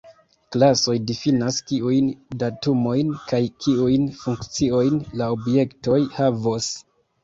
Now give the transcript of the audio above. Klasoj difinas kiujn datumojn kaj kiujn funkciojn la objektoj havos.